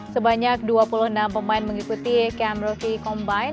sebanyak dua puluh enam pemain mengikuti cam rookie combine